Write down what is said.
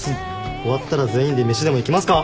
終わったら全員で飯でも行きますか？